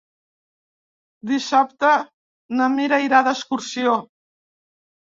Dissabte na Mira irà d'excursió.